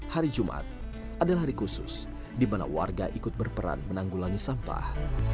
hari jumat adalah hari khusus di mana warga ikut berperan menanggulangi sampah